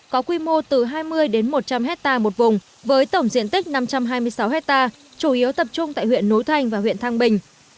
có quy mô từ hai mươi đến một trăm linh hectare một vùng với tổng diện tích năm trăm hai mươi sáu hectare chủ yếu tập trung tại huyện nối thành và huyện thăng bình